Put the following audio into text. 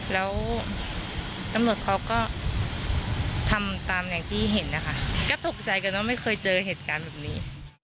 แล้วตำรวจเขาก็ทำตามอย่างที่เห็นนะคะก็ตกใจกันว่าไม่เคยเจอเหตุการณ์แบบนี้